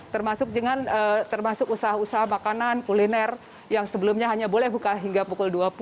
termasuk dengan termasuk usaha usaha makanan kuliner yang sebelumnya hanya boleh buka hingga pukul dua puluh